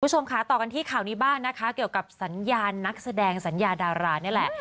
คุณผู้ชมค่ะต่อกันที่ข่าวนี้บ้างนะคะเกี่ยวกับสัญญาณนักแสดงสัญญาดารานี่แหละ